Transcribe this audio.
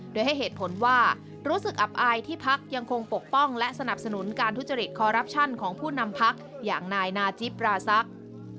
โดยให้เหตุผลว่ารู้สึกอับอายที่พักยังคงปกป้องและสนับสนุนการทุจริตคอรัปชั่นของผู้นำพักอย่างนายนาจิปราศักดิ์